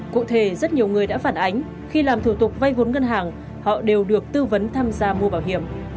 cụ thể rất nhiều người đã phản ánh khi làm thủ tục vay vốn ngân hàng họ đều được tư vấn tham gia mua bảo hiểm